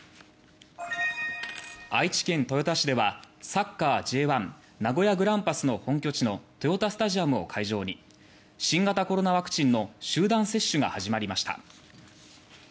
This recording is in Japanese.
愛知県豊田市ではサッカーＪ１名古屋グランパスの本拠地の豊田スタジアムを会場に新型コロナワクチンの集団接種が始まりました。